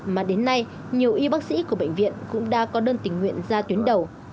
mà đến nay nhiều y bác sĩ của bệnh viện cũng đã có đơn tình nguyện ra tuyến đầu